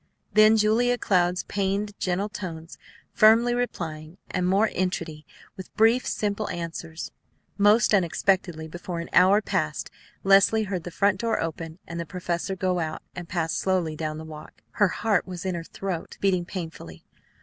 Then Julia Cloud's pained, gentle tones, firmly replying, and more entreaty, with brief, simple answers. Most unexpectedly, before an hour passed Leslie heard the front door open and the professor go out and pass slowly down the walk. Her heart was in her throat, beating painfully.